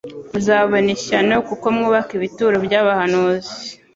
muzabona ishyano, kuko mwubaka ibituro by'abahanuzi,